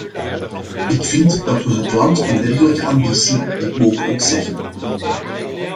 Ik vind dat we het land een dergelijke ambitie niet mogen ontzeggen.